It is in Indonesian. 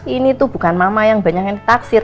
ini tuh bukan mama yang banyak yang ditaksir